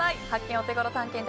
オテゴロ探検隊